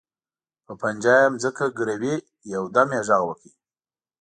په پنجه یې ځمکه ګروي، یو دم یې غږ وکړ.